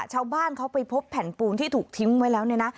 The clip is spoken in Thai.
ชาวบ้านเขาไปพบแผ่นปูนที่ถูกทิ้งไว้แล้วเนี่ยนะ